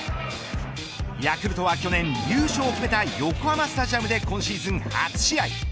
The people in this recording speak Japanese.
ヤクルトは、去年優勝を決めた横浜スタジアムで今シーズン初試合。